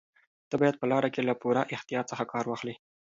ته باید په لاره کې له پوره احتیاط څخه کار واخلې.